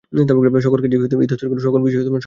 সকল কাজেই ইতস্তত করেন, সকল বিষয়েই সংশয় উপস্থিত হয়।